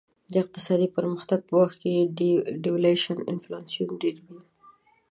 د اقتصادي پرمختګ په وخت devaluation انفلاسیون ډېروي.